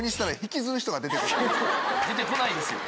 出て来ないですよ。